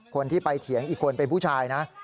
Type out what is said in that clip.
คนที่ไปเถียงอีกคนเป็นผู้ชายนะ